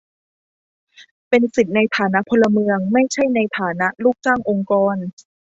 เป็นสิทธิในฐานะพลเมือง ไม่ใช่ในฐานะลูกจ้างองค์กร